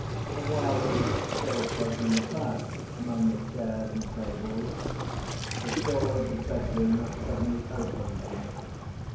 While we were still poking about among the chairs and tables, the door of the bedroom was suddenly opened.